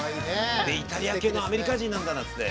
イタリア系のアメリカ人なんだって言って。